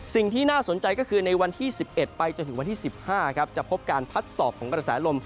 สิ่งที่น่าสนใจก็คือในวันที่๑๑ไปจนถึงวันที่๑๕จะพบการพัดสอบของกระแสลม